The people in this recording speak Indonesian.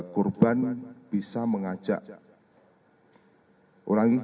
korban bisa mengajak orang itu